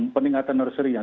peningkatan nursery yang